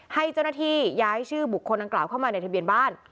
ให้เจ้าหน้าที่ย้ายชื่อบุคคลดังกล่าวเข้ามาในทะเบียนบ้าน